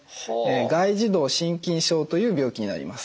外耳道真菌症という病気になります。